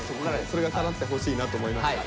それがかなってほしいなと思いました。